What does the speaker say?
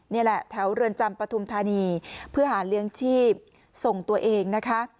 นี่แหละแถวเรือนจำปฐุมธานีเพื่อหาเลี้ยงชีพส่งตัวเองนะคะ